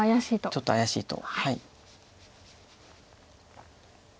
ちょっと怪しいと。